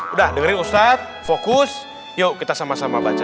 udah dengerin ustadz fokus yuk kita sama sama baca